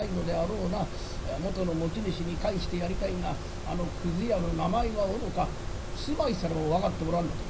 元の持ち主に返してやりたいがあのくず屋の名前はおろか住まいすらも分かっておらんのだ。